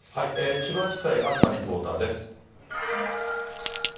千葉地裁、東リポーターです。